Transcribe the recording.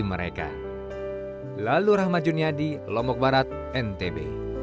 mereka lalu rahmat juniadi lombok barat ntb